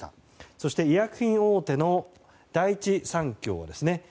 そして医薬品大手の第一三共ですね。